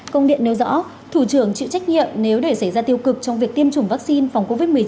công điện nêu rõ thủ trưởng chịu trách nhiệm nếu để xảy ra tiêu cực trong việc tiêm chủng vaccine phòng covid một mươi chín